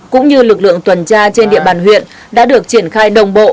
cũng như lực lượng tuần tra trên địa bàn huyện đã được triển khai đồng bộ